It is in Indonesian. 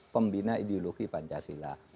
pembina ideologi pancasila